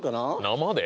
生で？